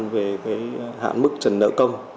về cái hạn mức trần nợ công